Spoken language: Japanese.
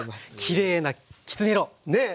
きれいなきつね色！ねえ！